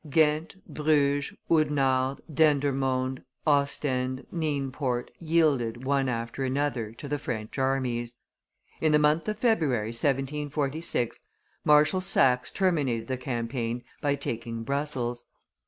Ghent, Bruges, Oudenarde, Dendermonde, Ostend, Nienport, yielded, one after another, to the French armies. In the month of February, 1746, Marshal Saxe terminated the campaign by taking Brussels.